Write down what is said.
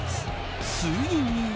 ついには。